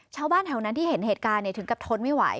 ชาวบ้านแถวนั้นที่เห็นเหตุการณ์ถึงกับทนไม่ไหว